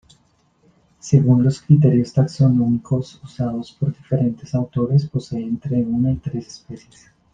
Según los criterios taxonómicos usados por diferentes autores posee entre una y tres especies.